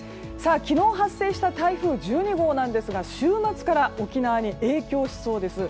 昨日発生した台風１２号ですが週末から沖縄に影響しそうです。